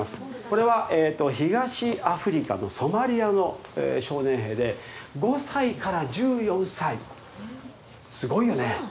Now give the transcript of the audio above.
これは東アフリカのソマリアの少年兵で５歳から１４歳すごいよね。